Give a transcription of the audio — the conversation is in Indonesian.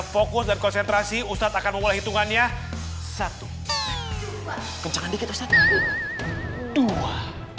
fokus dan konsentrasi ustadz akan memulai hitungannya satu kencang dikit ustatu dua